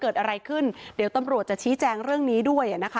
เดี๋ยวตำรวจจะชี้แจ้งเรื่องนี้ด้วย